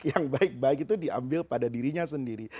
yang baik baik itu diambil pada dirinya sendiri